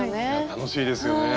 楽しいですよね。